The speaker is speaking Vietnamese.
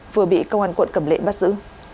vừa bị công an quận cầm lệ bắt giữ